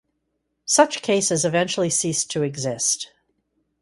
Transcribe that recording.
Such cases eventually ceased to exist.